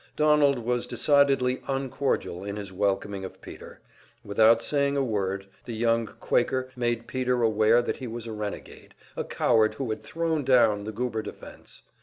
Donald was decidedly uncordial in his welcoming of Peter; without saying a word the young Quaker made Peter aware that he was a renegade, a coward who had "thrown down" the Goober defense.